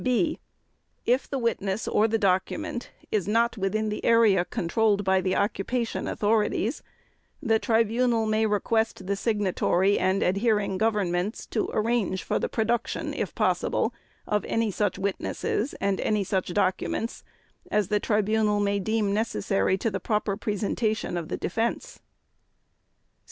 (b) If the witness or the document is not within the area controlled by the occupation authorities, the Tribunal may request the Signatory and adhering Governments to arrange for the production, if possible, of any such witnesses and any such documents as the Tribunal may deem necessary to proper presentation of the Defense.